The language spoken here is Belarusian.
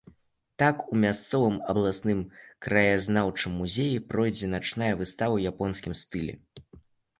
Так, у мясцовым абласным краязнаўчым музеі пройдзе начная выстава ў японскім стылі.